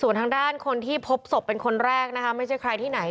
ส่วนทางด้านคนที่พบศพเป็นคนแรกนะคะไม่ใช่ใครที่ไหน